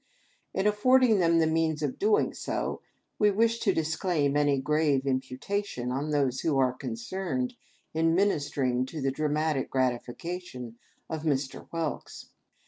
In affording them the means of doing so, we wish to dis claim any grave imputation on those who are concerned in ministering to the dramatic gratification of Mr. Whelks.